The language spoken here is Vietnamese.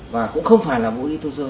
và cũng không phải là vũ khí thu sơ